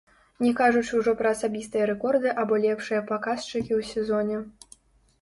Не кажучы ўжо пра асабістыя рэкорды або лепшыя паказчыкі ў сезоне.